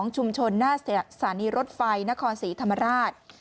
ชุมชนหน้าสถานีรถไฟนครศรีธรรมราช